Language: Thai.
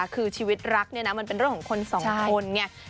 คือชีวิตรักเนี่ยนะมันเป็นเรื่องของคนสองคนไง